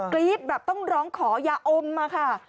รี๊ดแบบต้องร้องขอยาอมมาค่ะ